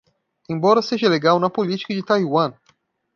Embora seja legal na política de Taiwan